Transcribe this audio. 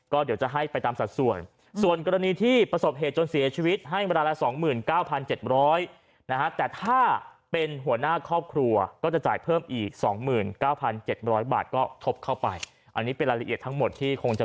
ก็เดี๋ยวจะให้ไปตามสัดส่วนส่วนกรณีที่ประสบเหตุจนเสียชีวิตให้มาละสองหมื่นเก้าพันเจ็บร้อยนะฮะ